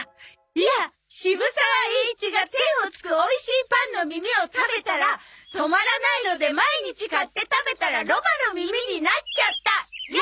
いや「渋沢栄一が天をつくおいしいパンの耳を食べたら止まらないので毎日買って食べたらロバの耳になっちゃった」よ！